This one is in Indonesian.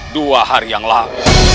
dua hari yang lalu